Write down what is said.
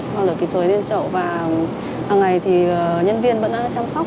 hoa nở kịp thời lên trậu và hằng ngày thì nhân viên vẫn đang chăm sóc